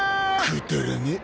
くだらねえ。